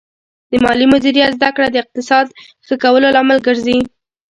د مالي مدیریت زده کړه د اقتصاد ښه کولو لامل ګرځي.